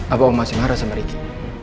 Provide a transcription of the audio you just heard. apa om masih marah sama riki